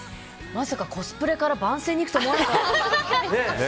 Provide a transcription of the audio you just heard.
まさかコスプレから番宣に行くとは思わなかった。